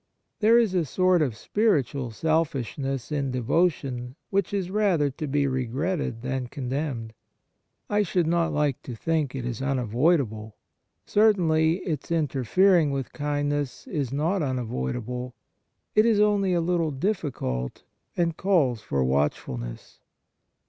There is a sort of spiritual selfish ness in devotion which is rather to be regretted than condemned. I should not like to think it is unavoidable. Certainly its interfering with kindness is not un avoidable. It is only a little difficult, and calls for watchfulness.